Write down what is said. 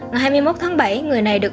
ngày hai mươi một tháng bảy người này được